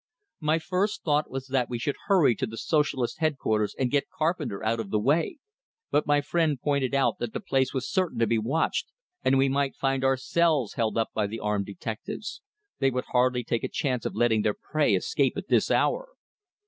My first thought was that we should hurry to the Socialist headquarters and get Carpenter out of the way. But my friend pointed out that the place was certain to be watched, and we might find ourselves held up by the armed detectives; they would hardly take a chance of letting their prey escape at this hour.